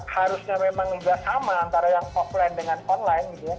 harusnya memang tidak sama antara yang offline dengan online